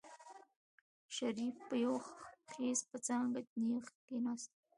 شريف په يو خېز په څانګه نېغ کېناست.